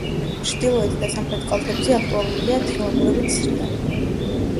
ჩრდილოეთ და სამხრეთ კალთებზე აქტუალურია თხილამურებით სრიალი.